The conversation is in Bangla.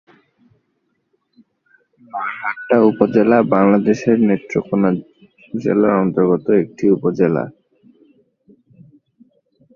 বারহাট্টা উপজেলা বাংলাদেশের নেত্রকোণা জেলার অন্তর্গত একটি উপজেলা।